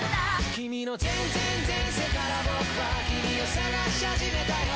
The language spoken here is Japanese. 「君の前前前世から僕は君を探しはじめたよ」